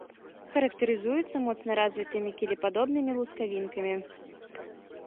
Характарызуецца моцна развітымі кілепадобнымі лускавінкамі.